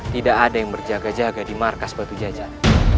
tidak ada yang berjaga jaga di markas batu jajar